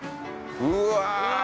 うわ